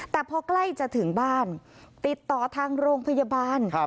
แต่พอใกล้จะถึงบ้านติดต่อทางโรงพยาบาล